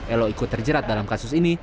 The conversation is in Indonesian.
elo ikut terjerat dalam kasus ini